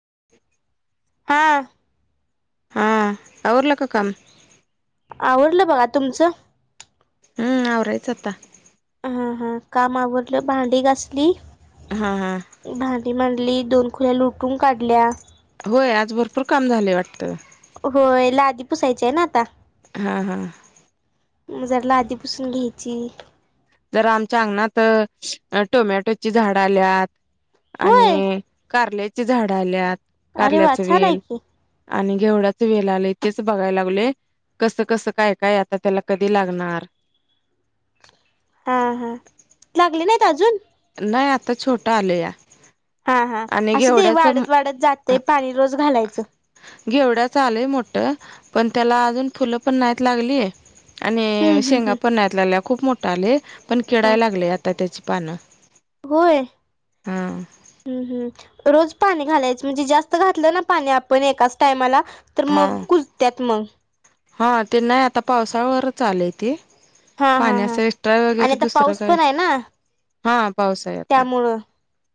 [inaudible] हा हा आवरलं का काम आवडलं बघा तुमचं हम्म आवरायच आता हा हा काम आवरल भांडी घासली हा हा भांडी मांंडली दोन खुल्या लुटून काढल्या होय आज भरपूर काम झालंय वाटतं होय लादी पुसायचीय ना आता हा हा जरा लादी पुसून घ्यायची तर आमच्या अंगणात अं, अं टोमॅटोची झाडं आल्यात होय आणि कारल्याचे झाडं आल्यात अरे वा कारल्याच छानय वेल की. आणि घेवढाचं वेल आलाय तेच बघाय लागलोय कसं कसं काय काय आता त्याला कधी लागणार हा हा लागले नाहीत अजून नाही आता छोटं आलंया हा हा असुदे वाढत वाढत जातय पाणी रोज घालायचं घेवढ्याचं आलय मोठं पण त्याला अजून फुलं पण नाहीत लागली हम्म आणि हम्म शेंगा हम्म पण नाहीत लागल्या खूप मोठ आलय पण हा किडाय लागलय आता त्याची पानं होय हा हम्म हम्म रोज पाणी घालायचं म्हणजे जास्त घातलं ना पाणी आपण एकाच टायमाला तर हा मग कुजत्यात मग हा ते नाही आता पावसावरच आलय ती हा हा पाण्याच हा एस्ट्रा आणि वगैरे आता दुसरं पाऊस काय पण आहे ना हा पाऊसय आता त्यामुळं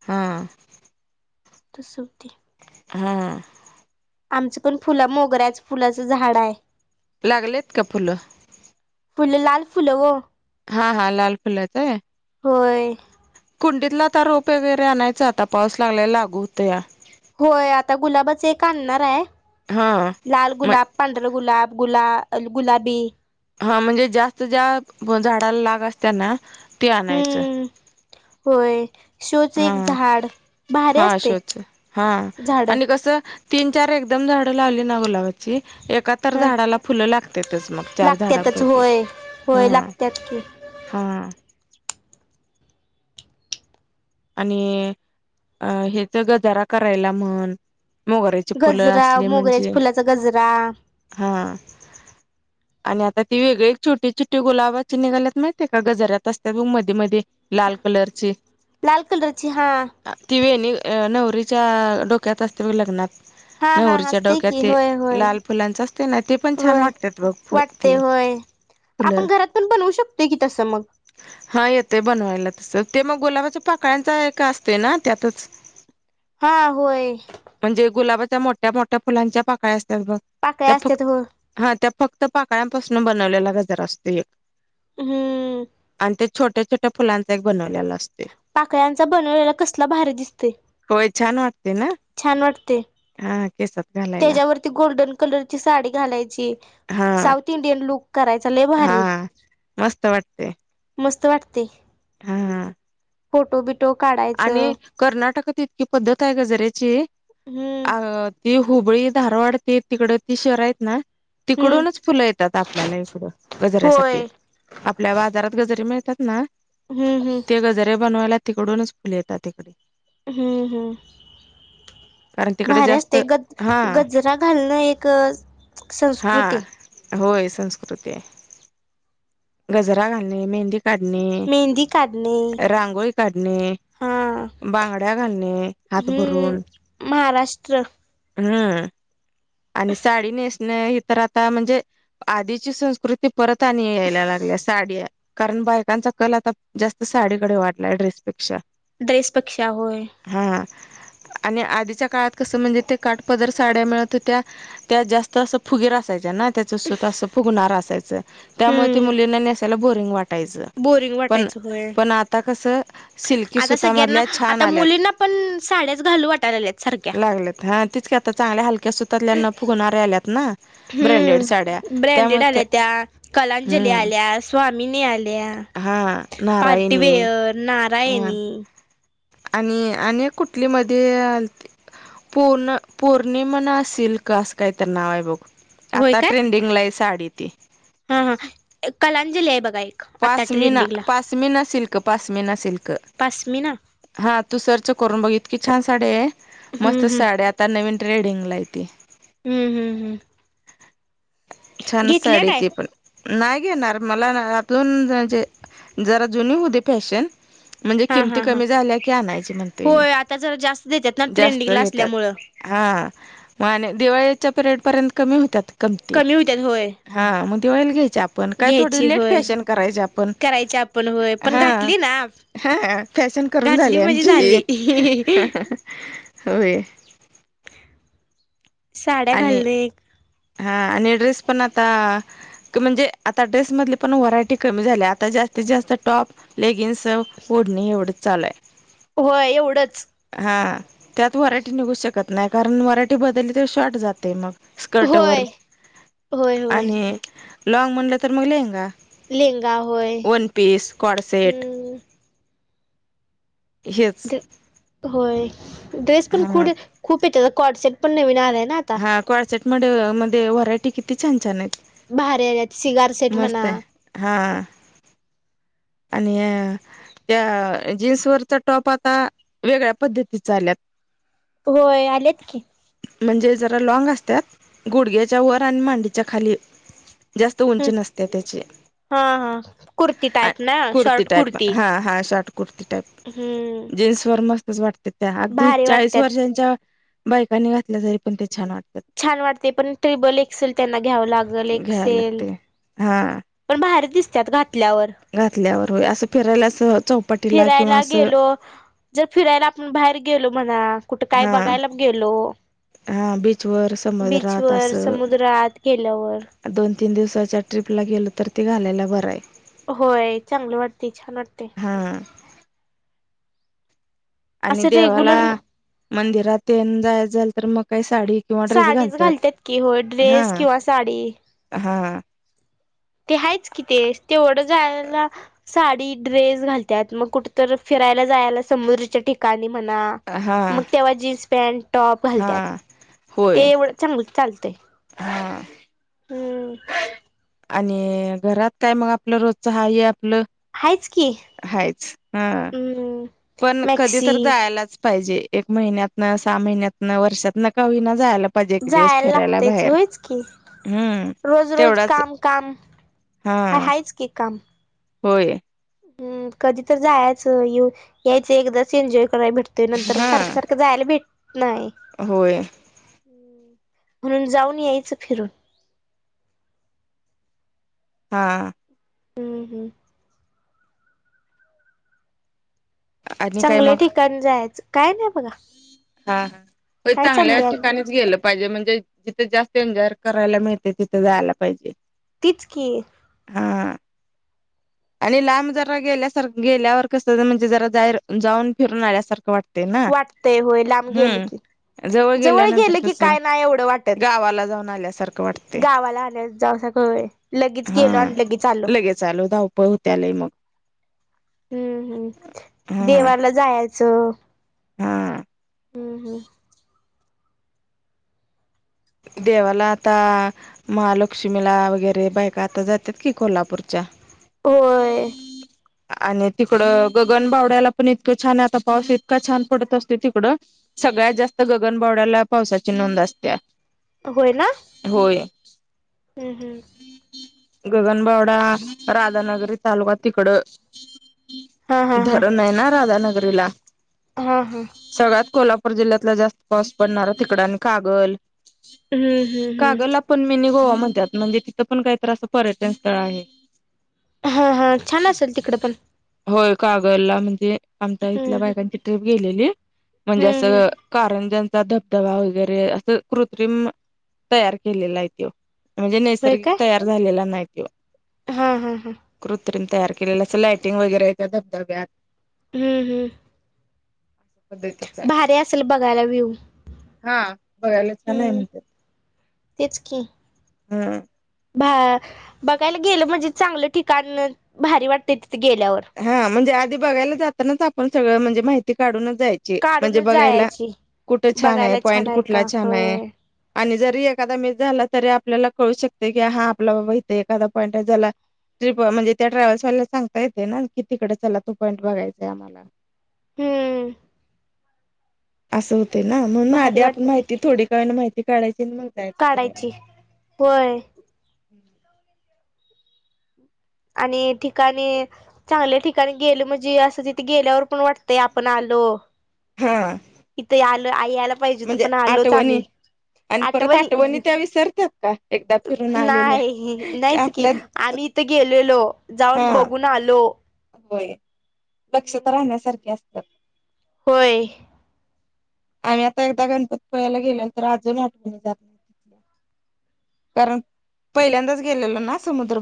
हा तू सूधी हा आमचंपण फुलं मोगऱ्याच फुलाचं झाड हाय लागलेत का फुलं लाल फुलं ओ हा, हा लाल फुलंयत काय? होय कुंडीतला आता रोप वगैरे आणायच आता, पाऊस लागलाय लागू हुतया होय, आता गुलाबच एक आण्णाराय, हा लाल म गुलाब, पांढरं गुलाब. गुला गुलाबी हा, म्हणजे जास्त ज्या झाडाला लाग असत्याना ते आणायचं. हम्म होय. शोच हा, एक हा, झाड भारी हा असते शोचं. हा झाड आणि कस तीन चार एकदम झाडं लावली ना गुलाबाची एका तर ह झाडाला फुलं लागत्यातच, मग चार लागत्यातच झाडांपैकी होय होय हा लागत्यात की हा. आणि अं हेच गजारा करायला म्हण मोगऱ्याची फुलं गजरा असली मोगऱ्याच म्हणजे फुलाचा गजरा हा आणि आता ती वेगळी छोटी छोटी गुलाबाची निघाल्यात माहितीय का, गजार्यात असतात बघ मध्ये मध्ये लाल कलरची लाल कलरची हां. ती वेणी नवरीच्या डोक्यात असते बघ लग्नात हा हा नवरीच्या असते डोक्यात की ते होय होय लाल फुलांच असतय ना, ते पण छान होय वाटतात बघ फु वाटते ते [unintelligible] आपण घरात पण बनवू शकतोय की तस मग? हा, येतय बनवायला तस, ते मग गुलाबाच्या पाकळ्यांचा एक असतोय ना त्यातच हा, होय. म्हणजे गुलाबाच्या मोठ्या मोठ्या फुलांच्या पाकळ्या असतात बघ, पाकळ्या त्या फक्त असतात हो ह त्या फक्त पाकळ्यांपासून बनवलेला गजरा असतोय एक हम्म! आणि ते छोट्या छट्या फुलांचा एक बनवलेला. असते पाकळ्यांचा बनवलेला कसला भारी दिसतोय. होय छान वाटते ना छान वाटतय, हा केसात घालायला त्याच्यावरती गोल्डन कलरची साडी घालायची हा साऊथ इंडियन लुक करायचा हा लयभारी मस्त मस्त वाटतय हा हा फोटो बिटो काढायचं तिचकी पद्धत आहे गजऱ्याची हम्म. अ ती हुबळी, धारवाड, ती तिकड ती शहर आहेत ना हम्म तिकडूनच फुलं येतात आपल्याला इकड, गजऱ्यासाठी होय आपल्या बाजारात गजरे मिळात असतात ना, हम्म हम्म ते गजरे बनवायला तिकडूनच फुल येतात इकडे. हम्म, हम्म. कारण तिकडे भारी जास्त असतय ग, हा गजरा घालणं एक हा संस्कृती होय संस्कृती आहे, गजरा घालणे मेहंदी काढणे, मेहंदी काढणे रांगोळी काढणे हा बांगड्या घालणे हात हम्म भरून महाराष्ट्र हम्म! आणि साडी नेस णे हे तर आता म्हणजे आधीची संस्कृती परत आणि यला लागल्या साड्या, कारण बायकांचा कल आता जास्त साडीकडे वाढलाय, ड्रेसपेक्षा ड्रेसपेक्षा होय? [unintelligible] आणि आधीच्या काळात कसं, म्हणजे ते काटपदर साड्या मिळत होत्या, त्या जास्त असं फुगेर असायच्या. ना त्याच सुत अस फुगणार असायच, त्यामुळे हम्म मुलींना नेसायला बोरिंग वा टच बोरिंग पण वाटायचं होय पण आता कस सिल्की आता सगळ्यांना सुतमधल्या छान आता आल्यात मुलींना पण साड्याच घालू वाटायला लागल्यात सारख्या लागलेत हा तिच की आता चांगल्या हलक्या सुतातल्याना न फुगणाऱ्या आल्यात ना ब्रँडेड साड्या हम्म त्यामुळे ब्रँडेड आल्या त्या कलांजली हम्म आल्या स्वामिनी आ ल्या हा नारायणी पार्टीवेअर हा नारायणी आणि आणि कुठली मध्ये आलती पुर्ण पौर्णिमा ना सिल्क असं काय तर नाव आहे बघ होय आता काय ट्रेंडिंगलाय साडी ती हा एक कलांजली आहे बघा एक आता पासमीना ट्रेंडिंगला पासमीना सिल्क पासमीना सिल्क पास्मिना हा तू सर्च करून बघ इतकी छान साड्या आहे हम्म मस्त हम्म साड्या आता नवीन ट्रेडिगला हाय ती हम्म हम्म हम्म छान घेतल्या साडी काय ती पण नाही घेणार मला दोन जणचे जरा जुने होऊदे फॅशन म्हणजे हा किमती हा हा कमी झाल्या की आणायची म्हणतेय मी होय आता जरा जास्त देतात ना जास्त ट्रेंडिंगला घेतात असल्यामुळं हा मा दिवाळी आप कमी होत्यात होय घ्यायची होय फॅशन करायच आपण करायची आपण होय पण हा घातली ना हा फॅशन करून घातली झाली म्हणजे आमची झाली. होय साड्या आणि घालं एक हा आणि ड्रेस पण आता म्हणजे आता ड्रेसमधली पण व्हरायटी कमी झाली आता जास्त त्याच्या जात टॉप लेगिंग्स ओढणी एवढंच चालू आहे होय एवढंच हां त्यात वरायटी निघू शकत नाही कारण वराटी बदलली तर शॉर्ट जाते मग स्कर्ट व होय होय होय आणि लॉग म्हणलं तर मग ललेहंगा लेहंगा होय वन पीस कडसेेट हम्म. हच होय ड्रेस पण खू खूप येत कॉड सेट पण नवीन आ हा कॅडसेट मड मध्ये व्हरायटी किती छान छान आहेत. भारी आल्यात सिगारसेेट मस्त म्हणा. आहे हा आणि त्या जीन्सवरचा टॉप आता वेगळ्या पद्धतीच आल्यात रथ होय आलेत की म्हणजे जरा लँंग असतात गुडग्याच्या वर आणि मांडीच्या खाली जास्त हम्म उंची नसते त्याचे हा हा. कुर्ती टाईप ना कुर्ती शॉर्ट टाईप हा हा शॉर्ट कुर्ती हम्म टाईप जीन्स वर मस्तच वाटत त्या अगदी भारी चाळीस वाटत्यात. वर्षांच्या बायकांनी घातल्या जाई पण ते छान वाटत छान वाटते पण ट्रिबल एक्सेल त्यांना घ्यावं लागल घ्यायला एक्सेल लागते हा पण बाहेरच दिसतात घात घातल्यावर हो असं फिरायला असं चौपाटीला किंवा फिरायला असं गेलो जर फिरायला आपण बाहेर गेलो म्हणा कुठे काय बघायला गेलो हा बीचवरर समुद्रात अस बीचवर समुद्रात गेल्यावर दोन तीन दिवसाच्या ट्रीपला गेलो तर ती घालायला बरं आहे होय चांगलं वाटते छान वाटते हा आणि असं देवाला रेग्युलर मंदिरात येन जाय जाल तर मग काही साडी किंवा ड्रेस साडीच घालतात की होय हा ड्रेस किंवा साडी हा ते आहेच कि ते तेवढं जायला साडी ड्रेस घालतात मग कुठंत फिरायला जायला समुद्राच्या ठिकाणी म्हणा हा मग तेव्हा जीन्स पॅन्ट टॉप घालत हा होय ते एवढ चांग चालत हा हम आणि घरात काय मग आपलं रोजच हाय हे आपलं आहेच की हायच हा हम्म पण कधी तर मॅक्सी जायालाच पाहिजे एक महिन्यातन सहा महिन्यानं वर्षातन का वीना जायला पाहिजे एक दिवस जायला फिरायला लागतेच बाहेर होयच की हम्म रोज रोज तेवढाच काम-काम हा हाय हायच कि काम होय हम्म कधी तर जायचं ये यायच एकदाच एन्जॉय कराय भेटतोय नंतर हा सारखं सारखं जायला भेटत नाही होय म्हणून जाऊन यायचं फिरून हा हम्म हम्म आणि काय चांगल्या मग ठिकाण जायचं काय नाही बघा हा काय चांगल्या चाललंय आणि ठिकाणीच गेलं पाहिजे म्हणजे जिथे जास्त एन्जॉयर करायला मिळते तिथे जायला पाहिजे तिच कि हा आणि लांब जरा गेल्यासारख गेल्यावर कस म्हणजे जरा जा जाऊन फिरून आल्यासारखं वाटत वाटतय होई लाब गेल की, जवळ गेल्यानंतर गेलं की कसं काय नाही एवढं वाटत गावाला जाऊन आल्यासारखं वाटते गावाला आलोय जा लगिच गेलो आणि लगिच आलो पहू त्यालय मग हम्म हम्म हा देवाला जायचं. हा हम्म हम्म देवाला आता, महालक्ष्मीला वगैरे बायका आता जातात की कोल्हापूरच्या. होय आणि तिकडं गगनबावड्याला पण इतकं छान आता पाऊस इतका छान पडत असतोय तिकडं सगळ्यात जास्त गगनबावड्याला पावसाची नोंद असत्या होय ना. होय हम्म हम्म. गगनबावडा राधानगरी तालुका तिकड. हा हा हा धरण आहे ना राधानगरीला हा हा सगळ्यात कोल्हापूर जिल्ह्यातला जास्त पाऊस पडणारा तिकड आणि कागल हम्म हम्म हम्म कागलला पण मिनी गोवा म्हणत्यात म्हणजे तिथ पण काहीतर असं पर्यटन स्थळ आहे. हा हा छान असेल तिकडं पण होय कागल ला म्हणजे आमच्या हम्म इथल्या हम्म बायकांची ट्रिप गेलेली म्हणजे हम्म हम्म असं कारंज्यांचा धबधबा वगैरे असं कृत्रिम तयार केलेला आहे त्याे म्हणजे होय नैसर्गिक काय तयार झालेला नाही त्याे हा हा हा तयार केलेले असं लायटिंग वगैरे आहे त्या धबधब्यात हम्म हम्म पद्धतीचा हाय, भारी असेल बघायला व्ह्यू हां बघायला का नाही हम्म म्हणतात, तेच की हां. भा बघायला गेलं म्हणजे चांगलं ठिकाण भारी वाटते तिथं गेल्यावर हा म्हणजे आधी बघायला जातानाच आपण सगळं म्हणजे माहिती काढूनच जायचे म्हणजे काढूनच बघायला जायची कुठ छान हाय बघायला पाॅईट आहे का कुठला छान हे होय आणि ज री एखादा मी झाला तरी आपल्याला कळू शकते की हा आपला बाबा इथे एखादा पॉईंट हे झा ट्रीप म्हणजे त्या ट्रॅव्हल्स वाल्याला सांगता येते ना कि तिकडे चला तो पॉईंट बघायचाय आम्हाला हम्म. असं होते ना म्हणून भारी आधी आपण वाटते माहिती थोडी काळ माहिती काढायची. आणि मग जायचं काढायची वय. हम्. आणि ठिकाणी चांगल्या ठिकाणी गेल म्हणजे असं तिथे गेल्यावर पण वाटतंय आपण आलो. [unintelligible] हा. इथे आलो आई यायला पाहिजे तर म्हणजे पण आलोच आठवणी आम्ही आणि परत आठवणी त्या विसरतात का एकदा फिरून आलेल्या नाही नाहीच की आम्ही तिथे गेलेलो जाऊन हा बघून आलो. होय दक्षता राहण्यासारखे असत. होय. आम्ही आता एकदा गणपती पहायला गेल्यांतर अजून आठवणी जात नाही तिथल्या कारण पहिल्यांदाच गेलेल ना समुद्र